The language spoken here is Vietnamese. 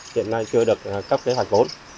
hiện nay chưa được cấp kế hoạch vốn